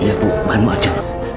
iya ibu bantu aja